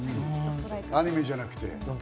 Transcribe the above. アニメじゃなくて。